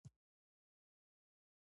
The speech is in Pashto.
چې مانا يې ورپورې تړلي تعبيرونه